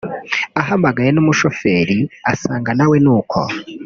ahamagaye n’umushoferi asanga na we ni uko